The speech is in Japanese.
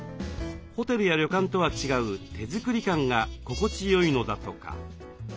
ホテルや旅館とは違う手作り感が心地よいのだとか。